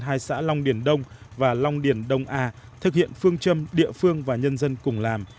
hai xã long điền đông và long điền đông a thực hiện phương châm địa phương và nhân dân cùng làm